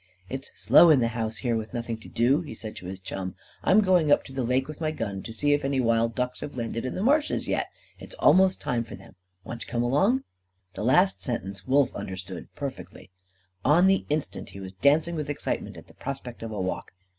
"It's slow in the house, here, with nothing to do," he said to his chum. "I'm going up the lake with my gun to see if any wild ducks have landed in the marshes yet. It's almost time for them. Want to come along?" The last sentence Wolf understood perfectly. On the instant he was dancing with excitement at the prospect of a walk.